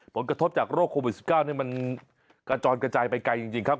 ผลกระทบจากโรคโควิด๑๙มันกระจอนกระจายไปไกลจริงครับ